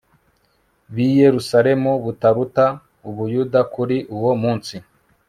b i yerusalemu butaruta u buyuda kuri uwo munsi